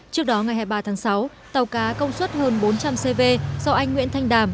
trước đó ngày hai mươi ba tháng sáu tàu cá công suất hơn bốn trăm linh cv do anh nguyễn thanh đàm